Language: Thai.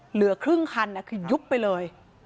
เหลือครึ่งคันคือยุบไปเลย